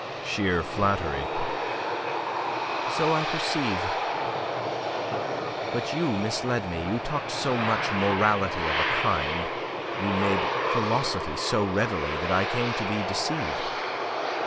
"Sheer flattery." "So I perceive. But you misled me. You talked so much morality of a kind, you made philosophy so readily, that I came to be deceived.